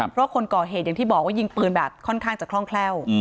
เพราะคนก่อเหตุอย่างที่บอกว่ายิงปืนแบบค่อนข้างจะคล่องแคล่ว